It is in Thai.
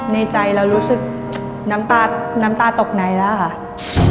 ในใจเรารู้สึกน้ำตาตกในแล้วค่ะ